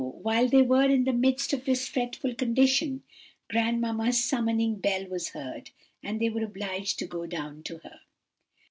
while they were in the midst of this fretful condition, grandmamma's summoning bell was heard, and they were obliged to go down to her.